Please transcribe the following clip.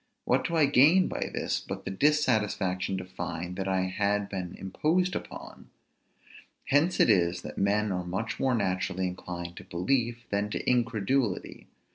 What do I gain by this, but the dissatisfaction to find that I had been imposed upon? Hence it is that men are much more naturally inclined to belief than to incredulity.